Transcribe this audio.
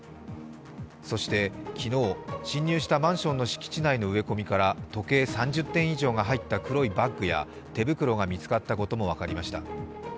そして昨日、侵入したマンションの敷地内の植え込みから時計３０点以上が入った黒いバッグや手袋が見つかったことも分かりました。